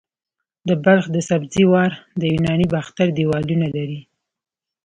د بلخ د سبزې وار د یوناني باختر دیوالونه لري